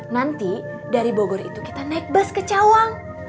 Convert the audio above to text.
nanti dari bogor itu kita naik bus ke cawang